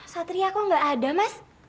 satria kok nggak ada mas